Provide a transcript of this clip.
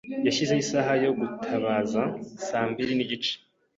yashyizeho isaha yo gutabaza saa mbiri nigice.